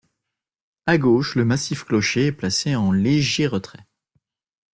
À gauche, le massif clocher est placé en léger retrait.